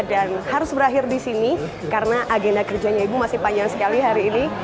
dan harus berakhir disini karena agenda kerjanya ibu masih panjang sekali hari ini